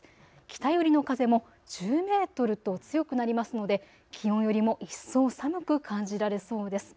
北寄りの風も１０メートルと強くなりますので気温よりも一層寒く感じられそうです。